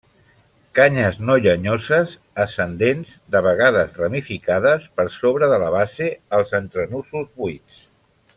Canyes no llenyoses, ascendents, de vegades ramificades per sobre de la base; els entrenusos buits.